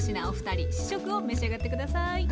お二人試食を召し上がって下さい。